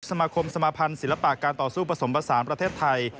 สมาคมสมาภัณฑ์ศิลปะการต่อสู้ผสมผสานประเทศไทย